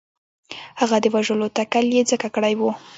هغه د وژلو تکل یې ځکه کړی وو.